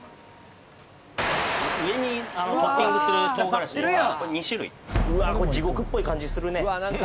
上にトッピングする唐辛子これ２種類うわこれ地獄っぽい感じするね